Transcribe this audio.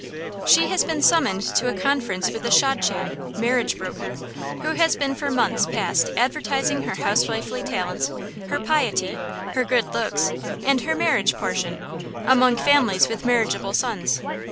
She has been summoned to a conference with the shadchan (marriage broker), who has been for months past advertising her housewifely talents, her piety, her good looks, and her marriage portion, among families with marriageable sons.